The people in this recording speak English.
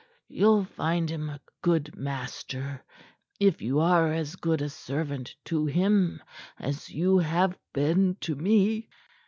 You'll find him a good master if you are as good a servant to him as you have been to me."